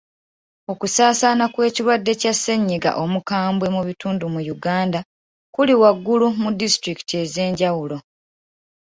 Okusaasaana kw'ekirwadde kya ssennyiga omukambwe mu bitundu mu Uganda kuli waggulu mu disitulikiti ez'enjawulo.